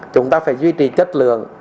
chúng ta phải duy trì chất lượng